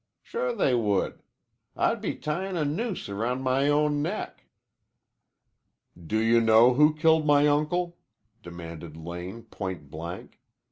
Sure they would. I'd be tyin' a noose round my own neck." "Do you know who killed my uncle?" demanded Lane point blank.